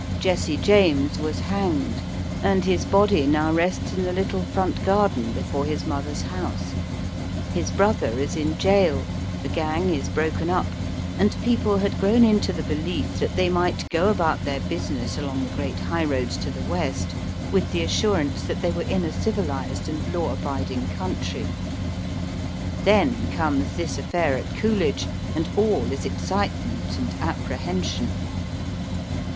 Jesse James was hanged, and his body now rests in the little front garden before his mother's house. His brother is in jail, the gang is broken up, and people had grown into the behef that they might go about their business along the great high roads to the West with the assurance that they were in a civilized and law abiding country. Then comes this affair at Coolidge, and all is excitement and apprehension.